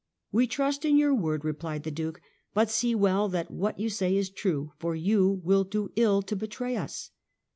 " We trust in your word," repHed the Duke, "but see well that what you say is true, for you will do ill to betray us."